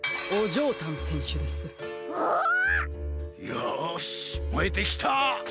よしもえてきた！